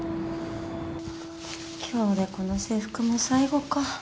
今日でこの制服も最後か。